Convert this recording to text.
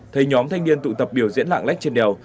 thấy nhóm thanh niên tụ tập biểu diễn lạng lách trên đèo